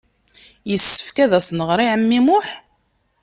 Yessefk ad as-nɣer i ɛemmi Muḥ?